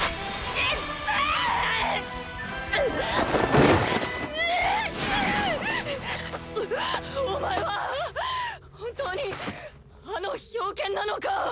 ひひいお前は本当にあの冰剣なのか？